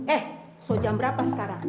eh so jam berapa sekarang